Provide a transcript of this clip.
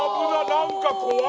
何か怖いね。